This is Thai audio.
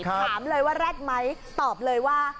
ถามเลยว่าแร็ดไหมตอบเลยว่า